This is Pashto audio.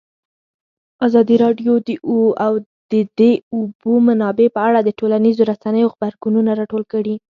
ازادي راډیو د د اوبو منابع په اړه د ټولنیزو رسنیو غبرګونونه راټول کړي.